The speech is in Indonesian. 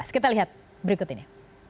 kita lihat berikut ini